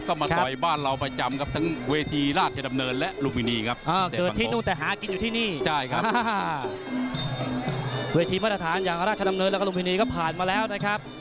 ก็มาต่อบ้านเราไปจำทั้งเวทีราชดำเนินและลุมพิณีครับ